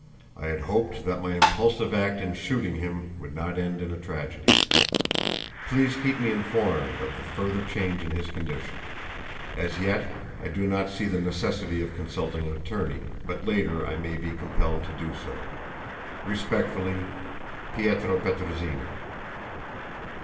I had hoped that my impulsive act in shooting him would not end in a tragedy. Please keep me informed of any further change in his condition. As yet I do not see the necessity of consulting an attorney, but later I may be compelled to do so. "Respectfully, "Pietro Petrozinni."